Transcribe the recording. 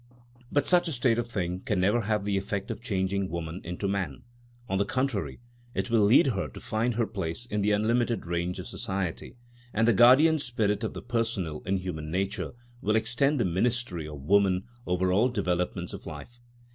But such a state of things can never have the effect of changing woman into man. On the contrary, it will lead her to find her place in the unlimited range of society, and the Guardian Spirit of the personal in human nature will extend the ministry of woman over all developments of life.